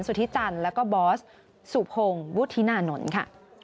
สุธิจันแล้วก็บอสสูพงบุฒิทินานนต์ค่ะ